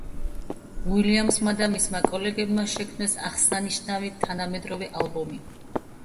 უილიამსმა და მისმა კოლეგებმა შექმნეს აღსანიშნავი თანამედროვე ალბომი.